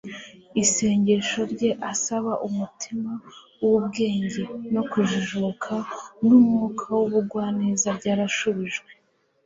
isengesho rye asaba umutima w'ubwenge no kujijuka, n'umwuka w'ubugwaneza ryarasubijwe